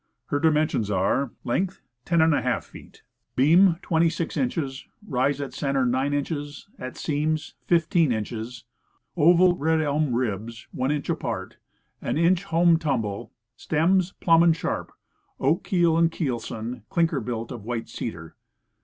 Her dimensions are: Length, 10^ feet; beam, 26 inches; rise at center, 9 inches; at stems, 15 inches; oval red elm ribs, 1 inch apart; an inch home tumble; stems, plumb and sharp; oak keel and keelson; clinker built, of white cedar.